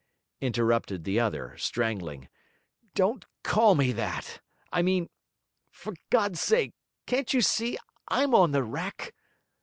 interrupted the other, strangling. 'Don't call me that! I mean... For God's sake, can't you see I'm on the rack?'